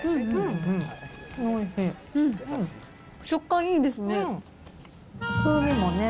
食感いいですね。